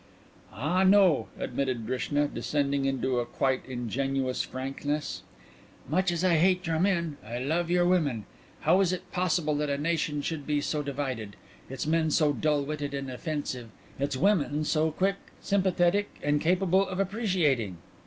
"Ah, no," admitted Drishna, descending into a quite ingenuous frankness. "Much as I hate your men I love your women. How is it possible that a nation should be so divided its men so dull witted and offensive, its women so quick, sympathetic and capable of appreciating?"